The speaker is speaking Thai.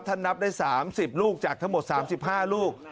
นับได้๓๐ลูกจากทั้งหมด๓๕ลูก